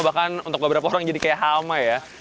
bahkan untuk beberapa orang jadi kayak hama ya